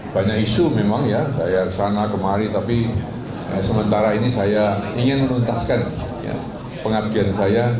banyak isu memang ya saya kesana kemari tapi sementara ini saya ingin menuntaskan pengabdian saya